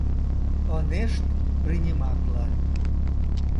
Ынешт приниматле...